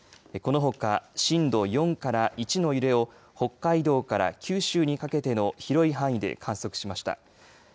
このほか震度４から１の揺れを北海道から九州にかけての広い範囲で観測しました。